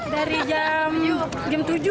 dari jam tujuh